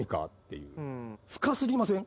深過ぎません？